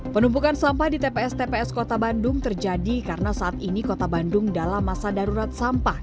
penumpukan sampah di tps tps kota bandung terjadi karena saat ini kota bandung dalam masa darurat sampah